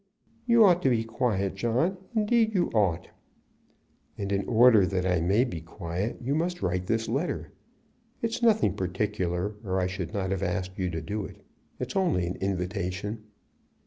"You ought to be quiet, John; indeed you ought." "And, in order that I may be quiet, you must write this letter. It's nothing particular, or I should not have asked you to do it. It's only an invitation."